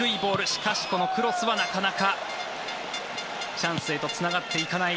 しかし、このクロスはなかなかチャンスへとつながっていかない。